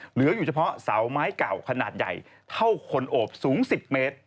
เหลืออยู่เฉพาะเสาไม้เก่าขนาดใหญ่เท่าคนโอบสูง๑๐เมตร